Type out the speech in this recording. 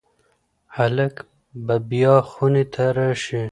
هلک به بیا خونې ته راشي.